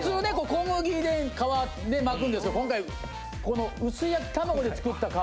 小麦で皮で巻くんですけど今回この薄焼き卵で作った皮。